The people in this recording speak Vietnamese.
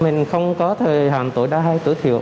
mình không có thời hạn tối đa hay tối thiểu